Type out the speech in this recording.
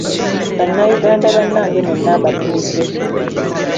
Bannayuganda bannange mwenna mbatumiddeko.